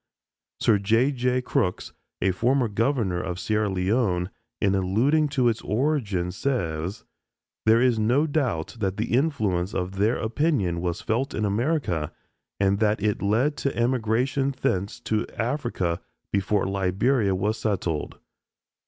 Sir J. J. Crooks, a former governor of Sierra Leone, in alluding to its origin, says: "There is no doubt that the influence of their opinion was felt in America and that it led to emigration thence to Africa before Liberia was settled.